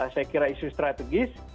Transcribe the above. saya kira isu strategis